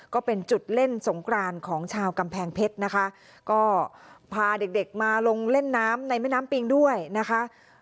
ก็เป็นจุดเล่นสงกรานของชาวกำแพงเพชรนะคะก็พาเด็กเด็กมาลงเล่นน้ำในแม่น้ำปิงด้วยนะคะ